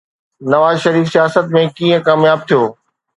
نواز شريف سياست ۾ ڪيئن ڪامياب ٿيو؟